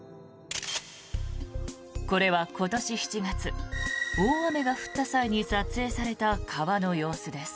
これは今年７月大雨が降った際に撮影された川の様子です。